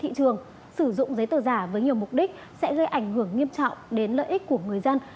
thị trường sử dụng giấy tờ giả với nhiều mục đích sẽ gây ảnh hưởng nghiêm trọng đến lợi ích của người dân